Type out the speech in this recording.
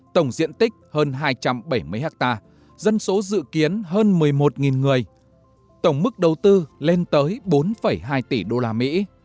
tổng diện tích hơn hai trăm bảy mươi ha dân số dự kiến hơn một mươi một người tổng mức đầu tư lên tới bốn hai tỷ usd